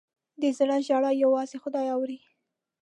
د زړه ژړا یوازې خدای اوري.